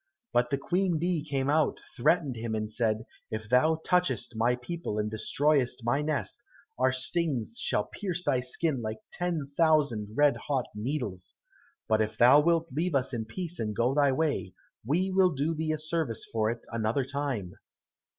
But the Queen bee came out, threatened him and said, "If thou touchest my people, and destroyest my nest, our stings shall pierce thy skin like ten thousand red hot needles. But if thou wilt leave us in peace and go thy way, we will do thee a service for it another time."